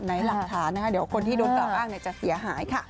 หลักฐานนะคะเดี๋ยวคนที่โดนกล่าวอ้างจะเสียหายค่ะ